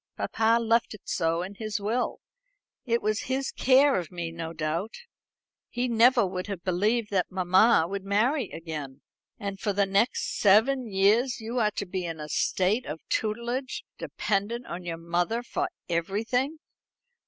"Papa left it so in his will. It was his care of me, no doubt. He never would have believed that mamma would marry again." "And for the next seven years you are to be in a state of tutelage, dependent on your mother for everything?"